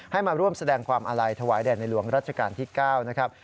มาร่วมแสดงความอาลัยถวายแด่ในหลวงรัชกาลที่๙นะครับ